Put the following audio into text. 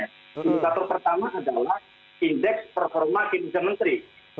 indikator pertama adalah' indeks performa kebijakan menteri